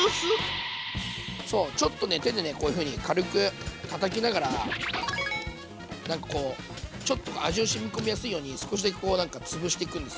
そうちょっとね手でねこういうふうに軽くたたきながらなんかこうちょっと味をしみ込みやすいように少しだけこうなんかつぶしていくんですよ。